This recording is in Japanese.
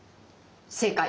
正解！